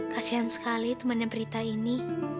kasian sekali temannya berita ini